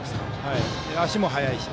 足も速いし。